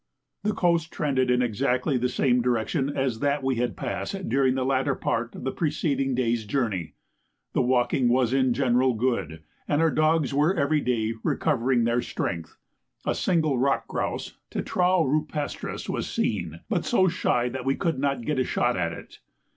The coast trended in exactly the same direction as that we had passed during the latter part of the preceding day's journey; the walking was in general good, and our dogs were every day recovering their strength. A single rock grouse (tetrao rupestris) was seen, but so shy that we could not get a shot at it.